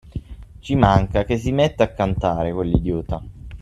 Ci manca che si metta a cantare, quell'idiota!